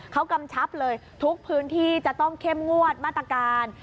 เขากำชับเลยทุกพื้นที่จะต้องเข้มงวดมาตรการ